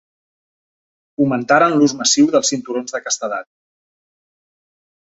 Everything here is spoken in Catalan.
Fomentaren l'ús massiu dels cinturons de castedat.